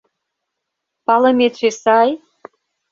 — Палыметше сай?